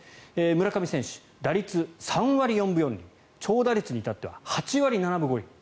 村上選手打率３割４分４厘長打率に至っては８割７分５厘。